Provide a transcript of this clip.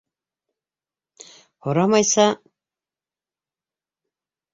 Һорамайса...